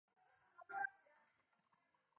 白木乌桕为大戟科乌桕属下的一个种。